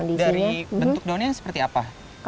dari bentuk daunnya seperti apa